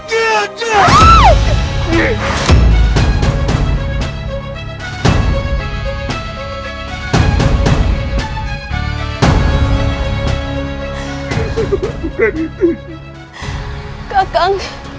kau akan menang